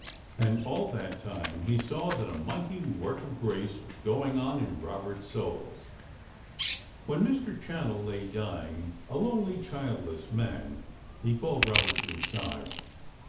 And all that time he saw that a mighty work of grace was going on in Robert's soul. When Mr. Channell lay dying, a lonely, childless man, he called Robert to his side.